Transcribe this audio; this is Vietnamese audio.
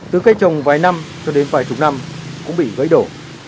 từ cây trồng vài năm cho đến vài chục năm cũng bị gãy đổ